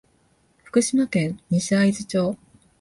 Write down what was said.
福島県西会津町